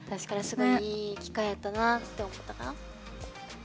いい機会やったなって思ったかな。